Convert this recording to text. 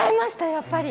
やっぱり。